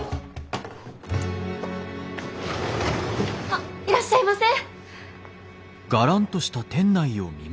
あっいらっしゃいませ。